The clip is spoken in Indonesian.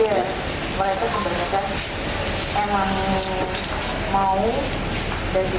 ya mereka sebenarnya kan memang mau